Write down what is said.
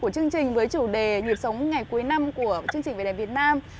của chương trình với chủ đề nhịp sống ngày cuối năm của chương trình về đèn việt nam